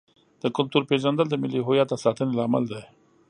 د کلتور پیژندل د ملي هویت د ساتنې لامل دی.